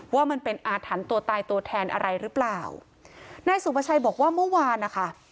ว่ามันเป็นอาถรรพ์ตัวตายตัวแทนอะไรหรือเปล่านายสุภาชัยบอกว่าเมื่อวานนะคะ